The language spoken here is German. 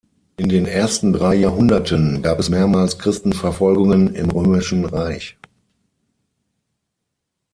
In den ersten drei Jahrhunderten gab es mehrmals Christenverfolgungen im Römischen Reich.